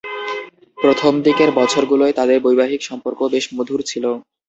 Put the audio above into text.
প্রথমদিকের বছরগুলোয় তাদের বৈবাহিক সম্পর্ক বেশ মধুর ছিল।